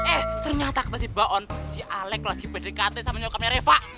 eh ternyata kata si baon si alex lagi berdekatan sama nyokapnya reva